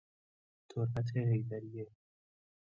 تربت حیدریه